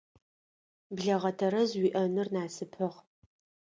Блэгъэ тэрэз уиӏэныр насыпыгъ.